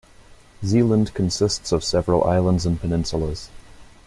Zeeland consists of several islands and peninsulas.